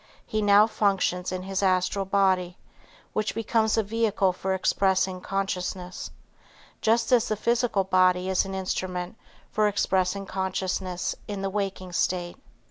He now functions in his astral body, which becomes a vehicle for expressing consciousness, just as the physical body is an instrument for expressing consciousness in the waking state.